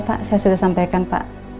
pak saya sudah sampaikan pak